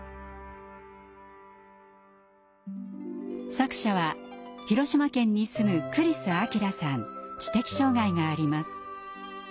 作者は広島県に住む知的障害があります。